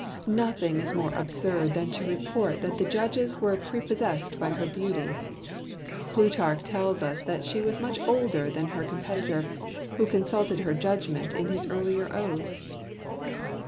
Nothing is more absurd than the report that the judges were prepossessed by her beauty. Plutarch tells us that she was much older than her competitor, who consulted her judgment in his earlier odes.